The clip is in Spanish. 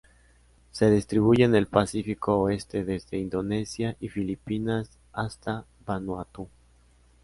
Se distribuye en el Pacífico oeste, desde Indonesia y Filipinas hasta Vanuatu.